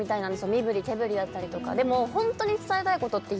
身振り手振りだったりとかでもホントに伝えたいことって言えないじゃないですか